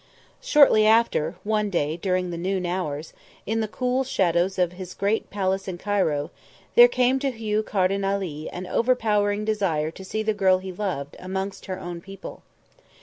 Shortly after, one day during the noon hours, in the cool shadows of his great palace in Cairo, there came to Hugh Carden Ali an overpowering desire to see the girl he loved amongst her own people.